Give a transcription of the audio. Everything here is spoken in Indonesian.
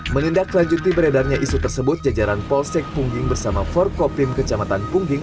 menindaklanjuti beredarnya isu tersebut jajaran polsek pungging bersama forkopim kecamatan pungging